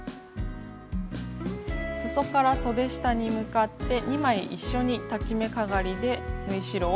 すそからそで下に向かって２枚一緒に裁ち目かがりで縫い代を縫います。